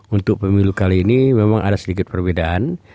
untuk pemilu kali ini memang ada sedikit perbedaan